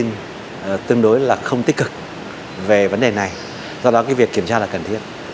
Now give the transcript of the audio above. những thông tin tương đối là không tích cực về vấn đề này do đó cái việc kiểm tra là cần thiết